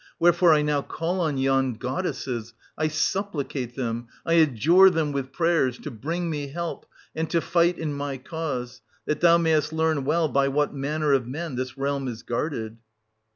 Wherefore I now call on yon goddesses, I supplicate them, I adjure them with prayers, to bring me help and to fight in my cause, that thou mayest learn well by what manner of men this realm is guarded.